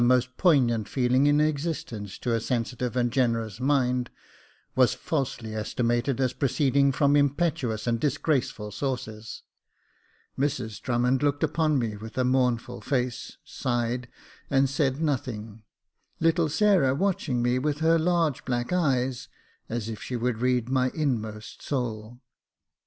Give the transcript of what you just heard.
L i62 Jacob Faithful most poignant feeling in existence to a sensitive and generous mind — was falsely estimated as proceeding from impetuous and disgraceful sources. Mrs Drummond looked upon me with a mournful face, sighed, and said nothing ; little Sarah watching me with her large black eyes, as if she would read my inmost soul.